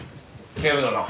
警部殿。